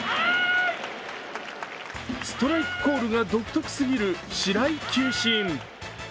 ストライクコールが独特すぎる白井球審。